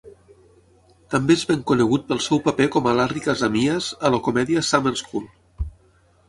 També és ben conegut pel seu paper com a Larry Kazamias a la comèdia "Summer school".